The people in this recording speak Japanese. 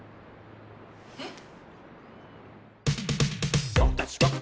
えっ？